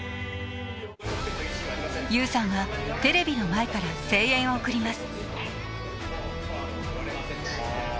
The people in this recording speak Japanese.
優さんはテレビの前から声援を送ります。